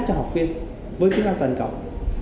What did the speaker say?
cho học viên với kế hoạch toàn cộng